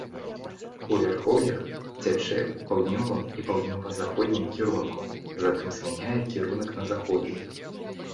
У вярхоўях цячэ ў паўднёвым і паўднёва-заходнім кірунку, затым змяняе кірунак на заходні.